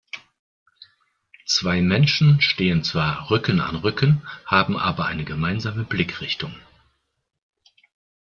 Zwei Menschen stehen zwar Rücken an Rücken, haben aber eine gemeinsame Blickrichtung.